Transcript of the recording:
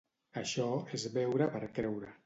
Això és veure per creure